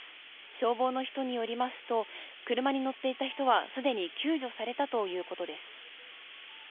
消防の人によりますと車に乗っていた人はすでに救助されたということです。